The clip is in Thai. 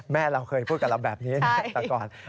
แม่เราเคยพูดกับเราแบบนี้นะแต่ก่อน